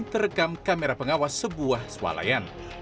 terekam kamera pengawas sebuah swalayan